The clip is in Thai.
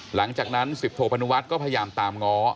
หลังจากนั้น๑๐โทพนุวัฒน์ก็พยายามตามง้อ